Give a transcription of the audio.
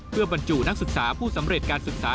เพื่อบรรจุนักศึกษาผู้สำเร็จการศึกษา